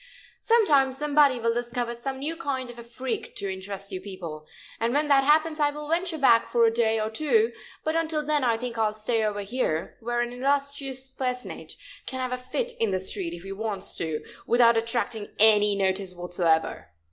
Some time somebody will discover some new kind of a freak to interest you people, and when that happens I will venture back for a day or two, but until then I think I will stay over here, where an illustrious personage can have a fit in the street, if he wants to, without attracting any notice whatsoever.